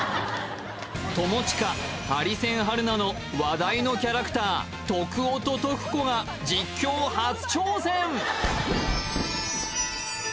友近ハリセン春菜の話題のキャラクター徳男と徳子が実況初挑戦